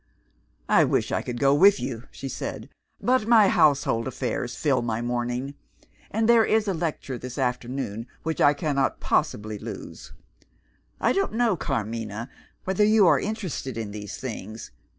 "I wish I could go with you," she said, "but my household affairs fill my morning. And there is a lecture this afternoon, which I cannot possibly lose. I don't know, Carmina, whether you are interested in these things.